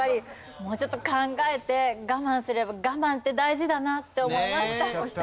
もうちょっと考えて我慢すれば我慢って大事だなって思いました。